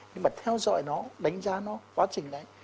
nhưng mà theo dõi nó đánh giá nó quá trình đấy